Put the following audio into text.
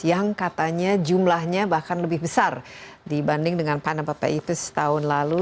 yang katanya jumlahnya bahkan lebih besar dibanding dengan panama papers tahun lalu